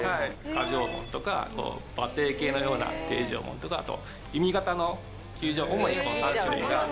渦状紋とか馬蹄形のような蹄状紋とかあと弓形の弓状紋主にこの３種類が。